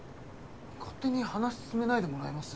勝手に話進めないでもらえます？